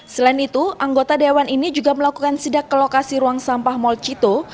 selain itu anggota dewan ini juga melakukan sidak ke lokasi ruang sampah mall cito